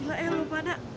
gila eh lo pada